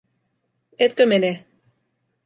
Etkö mene?